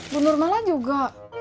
bunur malah juga